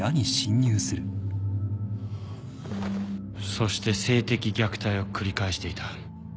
そして性的虐待を繰り返していた。